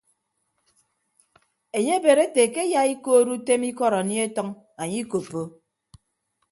Enye ebed ete ke eyaikood utem ikọd anie atʌñ anye ikoppo.